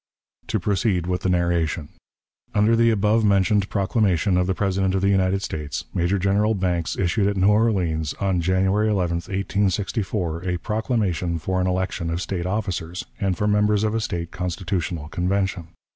To proceed with the narration. Under the above mentioned proclamation of the President of the United States, Major General Banks issued at New Orleans, on January 11, 1864, a proclamation for an election of State officers, and for members of a State Constitutional Convention.